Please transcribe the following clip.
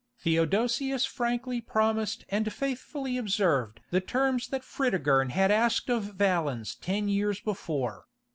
Theodosius frankly promised and faithfully observed the terms that Fritigern had asked of Valens ten years before.